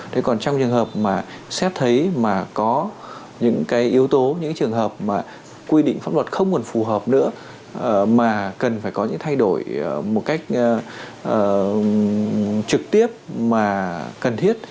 thế còn trong trường hợp mà xét thấy mà có những cái yếu tố những trường hợp mà quy định pháp luật không còn phù hợp nữa mà cần phải có những thay đổi một cách trực tiếp mà cần thiết